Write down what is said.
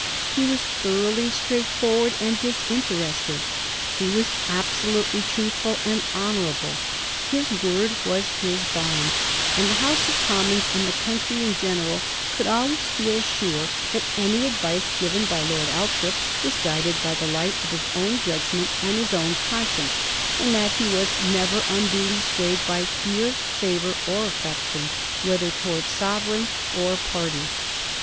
He was thoroughly straightforward and disinterested; he was absolutely truthful and honorable; his word was his bond, and the House of Commons and the country in general could always feel sure that any advice given by Lord Althorp was guided by the light of his own judgment and his own conscience, and that he was never unduly swayed by fear, favor, or affection, whether towards sovereign or party.